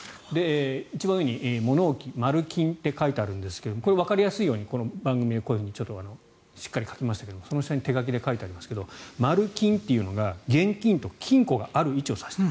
一番上に物置マル金って書いてあるんですがこれはわかりやすいように番組でしっかり書きましたがその下に手書きで書いてありますがマル金というのが現金と金庫がある位置を指している。